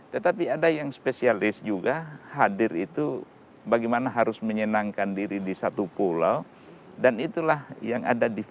tetapi ada yang spesialis juga hadir itu bagaimana harus menyenangkan diri di satu pulau dan itulah yang ada di sini